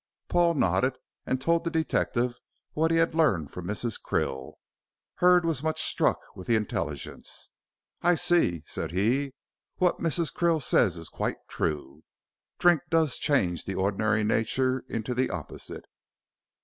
Paul nodded, and told the detective what he had learned from Mrs. Krill. Hurd was much struck with the intelligence. "I see," said he; "what Mrs. Krill says is quite true. Drink does change the ordinary nature into the opposite.